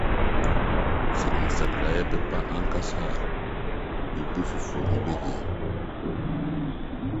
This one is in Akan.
Sɛ nsakrae bɛba ankasa a, biribi foforo ho behia.